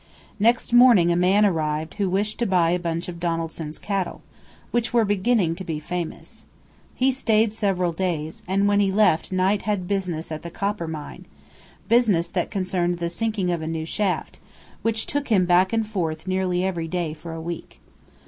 Next morning a man arrived who wished to buy a bunch of Donaldson's cattle, which were beginning to be famous. He stayed several days; and when he left Knight had business at the copper mine business that concerned the sinking of a new shaft, which took him back and forth nearly every day for a week.